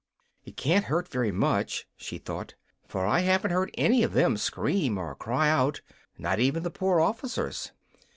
"It can't hurt very much," she thought, "for I haven't heard any of them scream or cry out not even the poor officers.